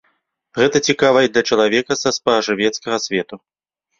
Гэта цікава і для чалавека са спажывецкага свету.